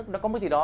nó có một gì đó